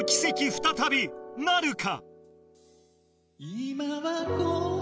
再びなるか？